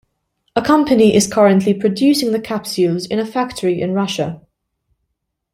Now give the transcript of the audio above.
A company is currently producing the capsules in a factory in Russia.